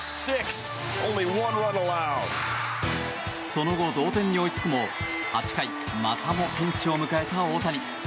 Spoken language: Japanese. その後、同点に追いつくも８回またもピンチを迎えた大谷。